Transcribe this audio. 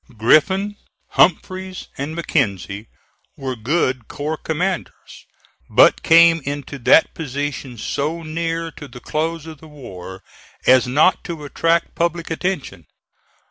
Griffin, Humphreys, and Mackenzie were good corps commanders, but came into that position so near to the close of the war as not to attract public attention.